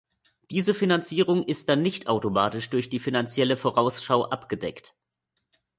Diese Finanzierung ist dann nicht automatisch durch die Finanzielle Vorausschau abgedeckt.